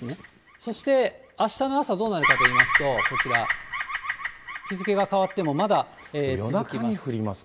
そして、あしたの朝、どうなるかといいますと、こちら、日付が変わってもまだ続きます。